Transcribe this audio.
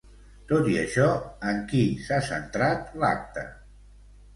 Tot i això, en qui s'ha centrat l'acte?